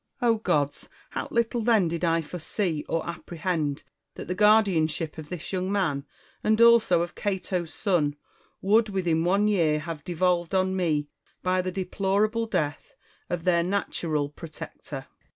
O gods ! how little then did I foresee or apprehend that the guardianship of this young man, and also of Cato's son, would within one year have devolved on me, by the deplorable death of their natural protector